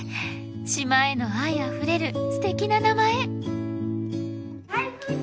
島への愛あふれるすてきな名前！